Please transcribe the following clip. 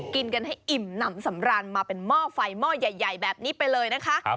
กินกันให้อิ่มหนำสำราญมาเป็นหม้อไฟหม้อใหญ่แบบนี้ไปเลยนะคะ